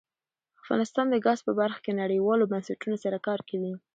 افغانستان د ګاز په برخه کې نړیوالو بنسټونو سره کار کوي.